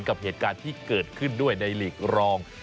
กับเหตุการณ์ที่เกิดขึ้นด้วยในหลีกรอง